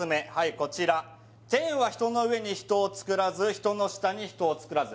こちら「天は人の上に人を造らず人の下に人を造らず」